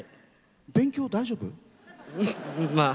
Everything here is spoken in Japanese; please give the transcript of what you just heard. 勉強、大丈夫？